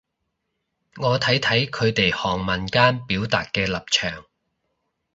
我睇睇佢哋行文間表達嘅立場